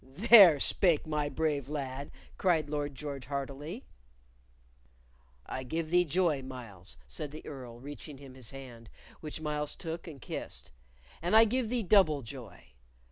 "There spake my brave lad!" cried Lord George heartily. "I give thee joy, Myles," said the Earl, reaching him his hand, which Myles took and kissed. "And I give thee double joy.